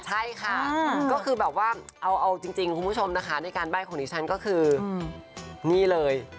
ใช่ค่ะก็คือแบบว่าเอาจริงคุณผู้ชมนะคะในการใบ้ของดิฉันก็คือนี่เลย